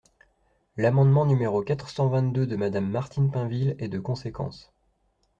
L’amendement numéro quatre cent vingt-deux de Madame Martine Pinville est de conséquence.